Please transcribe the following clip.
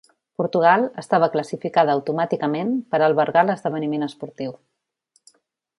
Portugal estava classificada automàticament per albergar l'esdeveniment esportiu.